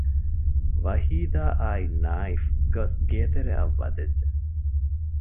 ވަހީދާ އާއި ނާއިފް ގޮސް ގޭތެރެއަށް ވަދެއްޖެ